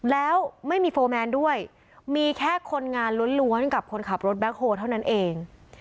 แล้วไม่มีโฟร์แมนด้วยมีแค่คนงานล้วนกับคนขับรถแบ็คโฮลเท่านั้นเอง